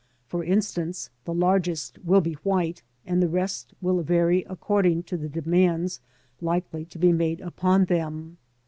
For instance, the largest will be white and the rest will vary according to the demands likely to be made upon them.